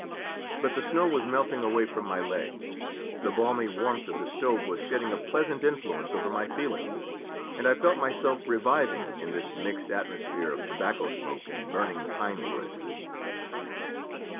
But the snow was melting away from my legs, the balmy warmth of the stove was shedding a pleasant influence over my feelings, and I felt myself reviving in this mixed atmosphere of tobacco smoke and burning pine wood.